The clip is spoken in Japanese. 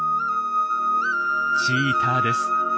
チーターです。